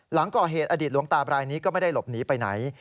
หลังก่อเหตุอดีตหลวงตาบรายนี้ก็ไม่ได้หลบหนีไปไหน